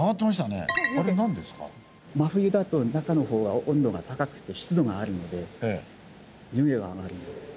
真冬だと中の方が温度が高くて湿度があるので湯気が上がるんです。